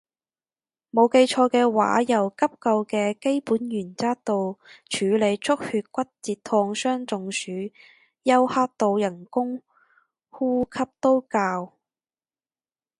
冇記錯嘅話由急救嘅基本原則到處理出血骨折燙傷中暑休克到人工呼吸都教